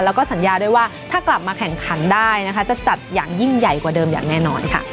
แล้วก็สัญญาด้วยว่าถ้ากลับมาแข่งขันได้นะคะจะจัดอย่างยิ่งใหญ่กว่าเดิมอย่างแน่นอนค่ะ